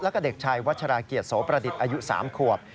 แล้วก็เด็กชายวัชราเกียรติโสประดิษฐ์อายุ๓ขวบ